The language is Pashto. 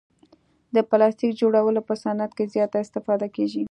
د پلاستیک جوړولو په صعنت کې زیاته استفاده کیږي.